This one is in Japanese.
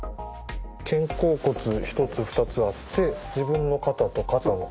肩甲骨１つ２つあって自分の肩と肩を合わせ。